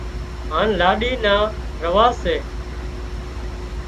هانَ لاڏِي نا رواز سي